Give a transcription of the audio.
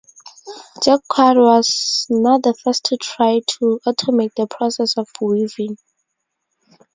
Jacquard was not the first to try to automate the process of weaving.